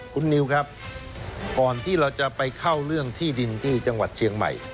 คุณนิวครับก่อนที่เราจะไปเข้าเรื่องที่ดินที่จังหวัดเชียงใหม่